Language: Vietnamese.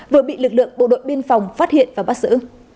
vừa bị lực lượng bộ đội biên phòng phát hiện và bắt giữ